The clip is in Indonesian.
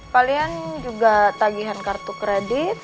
kalian juga tagihan kartu kredit